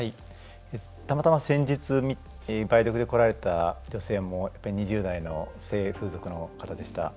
たまたま先日梅毒で来られた女性も２０代の性風俗の方でした。